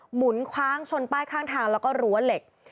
หมุนคว้างชนป้ายข้างทางแล้วก็รั้วเหล็ก